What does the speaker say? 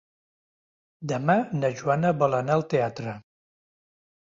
Demà na Joana vol anar al teatre.